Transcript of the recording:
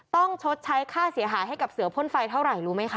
ชดใช้ค่าเสียหายให้กับเสือพ่นไฟเท่าไหร่รู้ไหมคะ